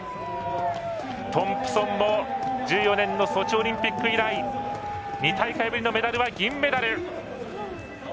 トンプソンも１４年のソチオリンピック以来２大会ぶりのメダルは銀メダル。